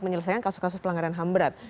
menyelesaikan kasus kasus pelanggaran ham berat